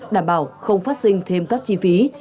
đảm bảo không phát sinh thêm các chi phí